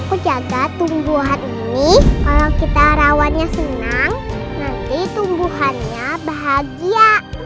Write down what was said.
aku jaga tumbuhan ini kalau kita rawannya senang nanti tumbuhannya bahagia